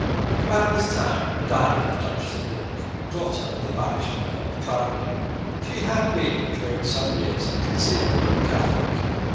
About this time died the Duchess of York, daughter of the banished Earl of Clarendon. She had been, during some years, a concealed Roman Catholic.